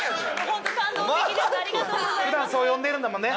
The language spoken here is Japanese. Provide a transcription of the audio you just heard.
普段そう呼んでるんだもんね。